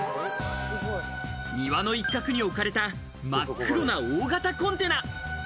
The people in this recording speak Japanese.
庭の一角に置かれた、真っ黒な大型コンテナ。